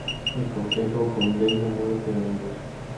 El consejo condena a muerte a ambos.